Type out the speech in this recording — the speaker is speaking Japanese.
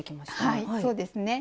はいそうですね。